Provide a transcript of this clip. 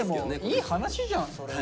いい話じゃんそれは。